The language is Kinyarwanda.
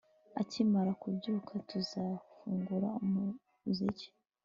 Akimara kubyuka tuzafungura umuziki